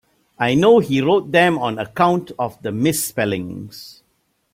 I know he wrote them on account of the misspellings.